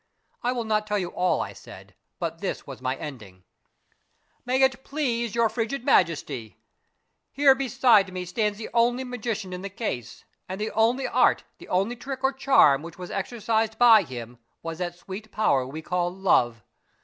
I will not tell you all I said, but this was my ending :" May it please your frigid Majesty !" Here beside me stands the only magician in the case, and the only art, the only trick or charm which was exercised by him was that sweet power we call love.